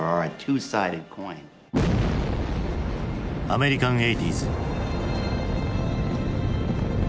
アメリカン・エイティーズ。